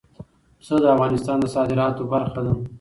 پسه د افغانستان د صادراتو برخه ده.